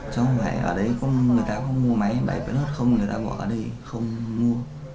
cháu hỏi ở đấy người ta có mua máy bảy người ta gọi ở đây không mua